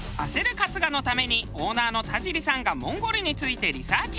春日のためにオーナーの田尻さんがモンゴルについてリサーチ。